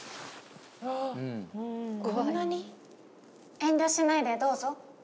遠慮しないでどうぞ。